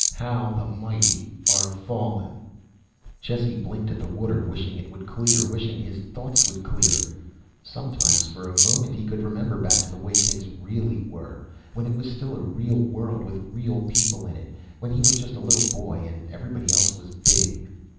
How the mighty are fallen. Jesse blinked at the water, wishing it would clear, wishing his thoughts would clear. Sometimes for a moment he could remember back to the way things really were. When it was still a real world, with real people in it. When he was just a little boy and everybody else was big.